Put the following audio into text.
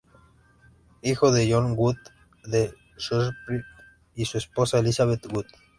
Hijo de John Wood de Shropshire y su esposa Elizabeth Wood.